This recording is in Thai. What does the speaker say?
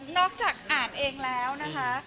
นอกจากอ่านเองแล้อนอะค่ะ